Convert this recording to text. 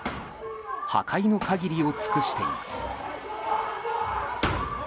破壊の限りを尽くしています。